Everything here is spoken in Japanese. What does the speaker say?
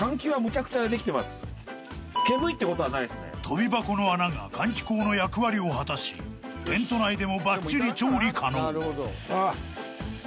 ［跳び箱の穴が換気口の役割を果たしテント内でもばっちり調理可能］